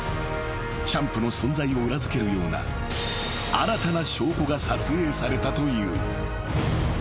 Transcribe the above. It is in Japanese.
［チャンプの存在を裏付けるような新たな証拠が撮影されたという］